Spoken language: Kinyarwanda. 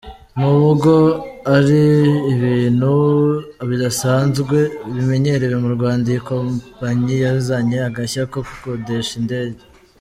Nubwo ari ibintu bidasanzwe bimenyerewe mu Rwanda, iyi kompanyi yazanye agashya ko gukodesha indege.